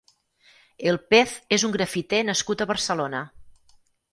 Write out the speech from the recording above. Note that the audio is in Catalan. El Pez és un grafiter nascut a Barcelona.